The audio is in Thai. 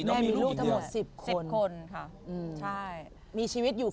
แม่มีลูกทั้งหมด๑๐คนมีชีวิตอยู่ครบ